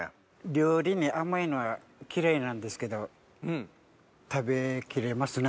料理に甘いのは嫌いなんですけど食べきれますね。